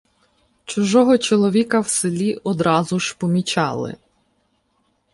Чужого чоловіка в селі одразу ж помічали.